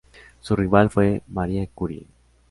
Su rival fue Marie Curie.